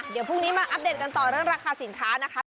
เดี๋ยวพรุ่งนี้มาอัปเดตกันต่อเรื่องราคาสินค้านะคะ